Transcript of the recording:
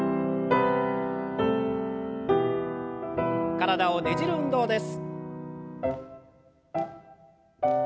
体をねじる運動です。